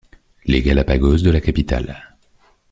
Les Galapagos de la capitale.